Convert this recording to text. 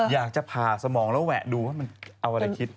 อยากจะผ่าสมองแล้วแหวะดูว่ามันเอาอะไรคิด